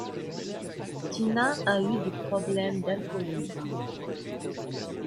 Tina a eu des problèmes d'alcoolisme.